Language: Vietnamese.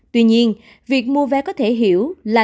tuy nhiên việc mua vé có thể hiểu là